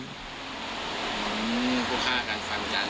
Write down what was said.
พวกฆ่ากันฟันกันนี่